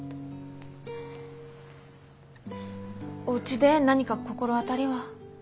おうちで何か心当たりは？